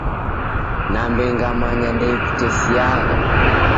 Nambe ngamanya ndeikutesiagha.